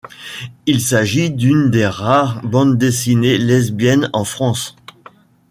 Il s'agit d'une des rares bandes dessinées lesbiennes en France.